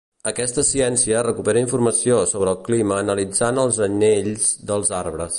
Aquesta ciència recupera informació sobre el clima analitzant els anells dels arbres.